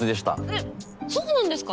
えっそうなんですか？